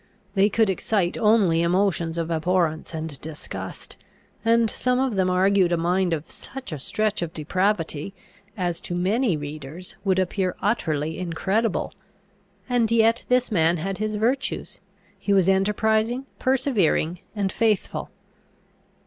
They could excite only emotions of abhorrence and disgust; and some of them argued a mind of such a stretch of depravity, as to many readers would appear utterly incredible; and yet this man had his virtues. He was enterprising, persevering, and faithful.